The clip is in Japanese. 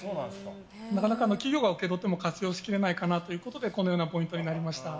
なかなか企業が受け取っても活用しきれないかなということでこのようなポイントになりました。